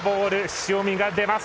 塩見が出ます。